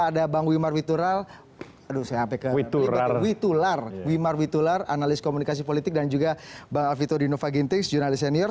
ada bang wimar witular analis komunikasi politik dan juga bang alvito dinova gintings jurnalis senior